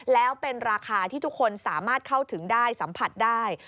แล้วเป็นราคาที่ทุกคนสามารถเข้าถึงได้สัมผัสได้